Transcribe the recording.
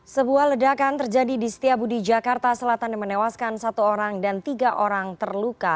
sebuah ledakan terjadi di setiabudi jakarta selatan yang menewaskan satu orang dan tiga orang terluka